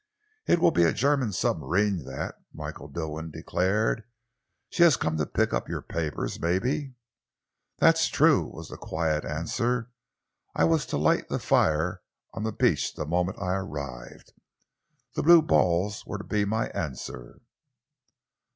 "It will be a German submarine, that," Michael Dilwyn declared. "She has come to pick up your papers, maybe?" "That's true," was the quiet answer. "I was to light the fire on the beach the moment I arrived. The blue balls were to be my answer."